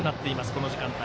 この時間帯。